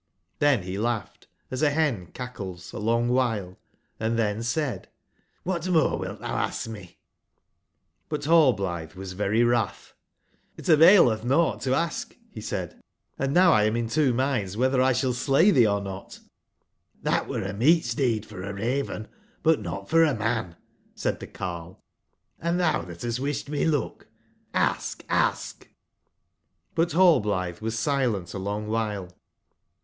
"j^trben be laugbed, as a ben cachles,a long wbile, & tben said: '*^bat more wilt tbou ask me?" But Rallblitbe was very wratb: *'lt availetb nought to ash," be said; & now lam in two minds whether 1 shall slay tbee or not " jj^ '* Hbat were a meet deed for a Raven, but not for a man,"said tbe carle, ''and tbou that bastwisbedmeluchlHsk, Hskt"j^But Rallblithe was silent a long while.